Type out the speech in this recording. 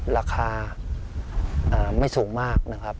ราคาไม่สูงมากนะครับ